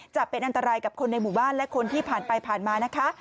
จะเป็นอันตรายกับคนในหมู่บ้านและคนที่ผ่านไปผ่านมานะคะ